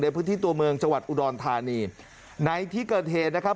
พื้นที่ตัวเมืองจังหวัดอุดรธานีในที่เกิดเหตุนะครับ